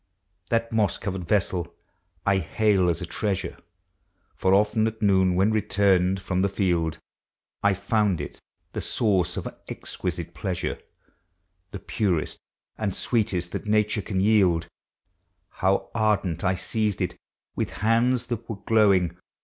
That moss covered vessel I hail as a treasure; For often, at uoou, when returned from the field, Digitized by Google 92 POEMS OF HOME. I found it the source of an exquisite pleasure, The purest and sweetest that nature can yield. How ardent 1 seized it, with hands that were glow ing!